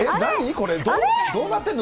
これ、どうなってるの？